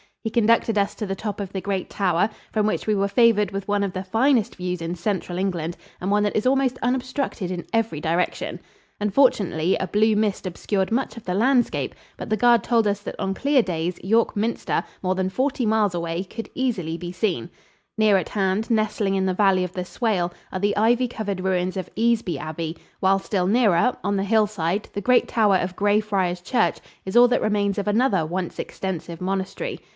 He conducted us to the top of the great tower, from which we were favored with one of the finest views in Central England and one that is almost unobstructed in every direction. Unfortunately, a blue mist obscured much of the landscape, but the guard told us that on clear days York Minster, more than forty miles away, could be easily seen. Near at hand, nestling in the valley of the Swale, are the ivy covered ruins of Easby Abbey; while still nearer, on the hillside, the great tower of Grey Friars Church is all that remains of another once extensive monastery.